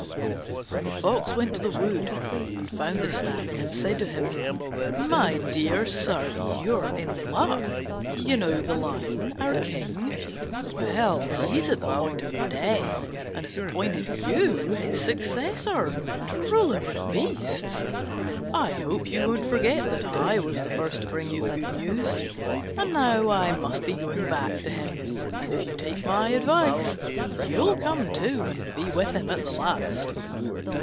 The Fox went to the wood and found the Stag and said to him, "My dear sir, you're in luck. You know the Lion, our King: well, he's at the point of death, and has appointed you his successor to rule over the beasts. I hope you won't forget that I was the first to bring you the good news. And now I must be going back to him; and, if you take my advice, you'll come too and be with him at the last."